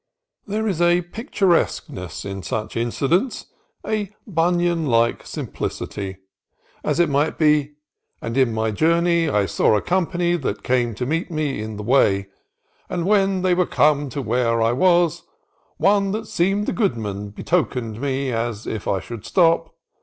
There is a picturesqueness in such incidents, a Bunyan like simplicity. As it might be: "And in THE DANA FAMILY 141 my journey I saw a company that came to meet me in the way. And when they were come to where I was, one that seemed the goodman beckoned me as if I should stop.